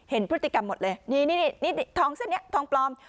เห็นพฤติกรรมหมดเลยนี่นี่ทองเส้นนี้ทองปลอม